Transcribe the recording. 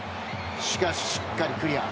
しかししっかりクリア。